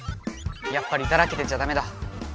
やっぱりダラけてちゃダメだ。